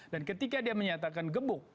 dan ketika dia menyatakan gebuk